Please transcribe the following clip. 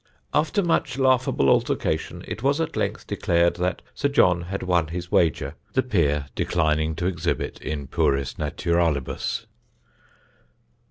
After much laughable altercation, it was at length decided that Sir John had won his wager, the Peer declining to exhibit in puris naturalibus."